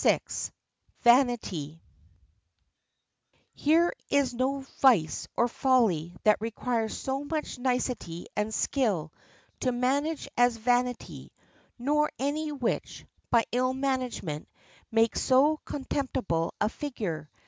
] There is no vice or folly that requires so much nicety and skill to manage as vanity, nor any which, by ill management, makes so contemptible a figure.